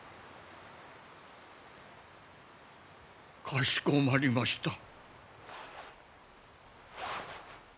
かしこまりました。